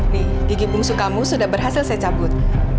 nih gigi bungsu kamu sudah berhasil saya cabut